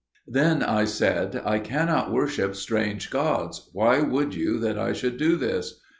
Then I said, "I cannot worship strange gods; why would you that I should do this?"